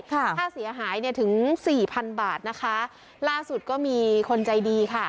ถ้าเสียหายถึง๔๐๐๐บาทล่าสุดก็มีคนใจดีค่ะ